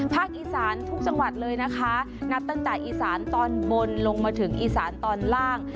อีสานทุกจังหวัดเลยนะคะนับตั้งแต่อีสานตอนบนลงมาถึงอีสานตอนล่าง